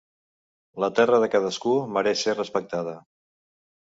La terra de cadascú mereix ser respectada.